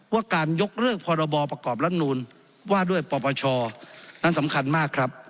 ว่าการยกเลิกพรบประกอบรัฐนูลว่าด้วยปปชนั้นสำคัญมากครับ